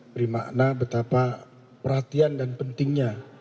beri makna betapa perhatian dan pentingnya